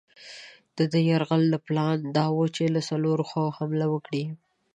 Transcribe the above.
د ده د یرغل پلان دا وو چې له څلورو خواوو حمله وکړي.